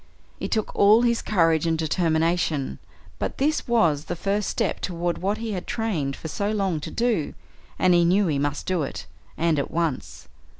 It took all his courage and determination, but this was the first step toward what he had trained for so long to do, and he knew he must do it, and at once.